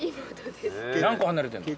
何個離れてんの？